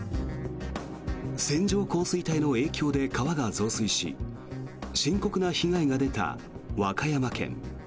線状降水帯の影響で川が増水し深刻な被害が出た和歌山県。